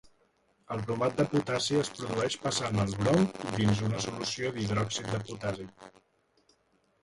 El bromat de potassi es produeix passant el brom dins una solució d’hidròxid de potassi.